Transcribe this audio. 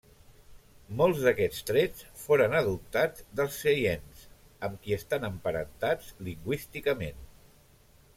Molts d'aquests trets foren adoptats dels xeienes, amb qui estan emparentats lingüísticament.